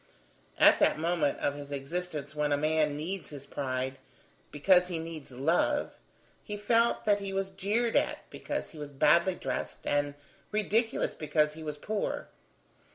At that moment of his existence when a man needs his pride, because he needs love, he felt that he was jeered at because he was badly dressed, and ridiculous because he was poor.